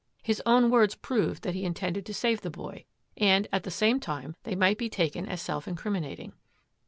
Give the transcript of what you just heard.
His own words proved that he intended to save the boy, and, at the same time, they might be taken as self incriminating.